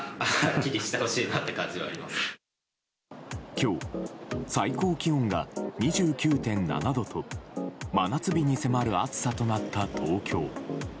今日、最高気温が２９．７度と真夏日に迫る暑さとなった東京。